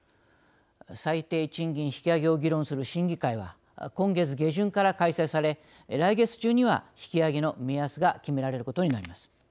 最低賃金引き上げを議論する審議会は今月下旬から開催され来月中には引き上げの目安が決められることになります。